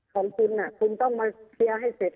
ของคุณคุณต้องมาเคลียร์ให้เสร็จ